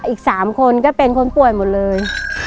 อีก๓คนก็เป็นคนป่วยหมดเลย